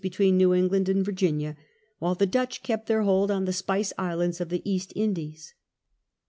between New England and Virginia, while the Dutch kept their hold on the Spice Islands of the East Indies.